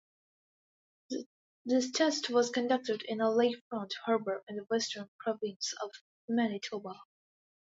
This test was conducted in a lakefront harbor in the western province of Manitoba.